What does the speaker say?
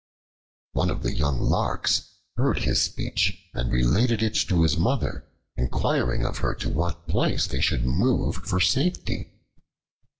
One of the young Larks heard his speech and related it to his mother, inquiring of her to what place they should move for safety.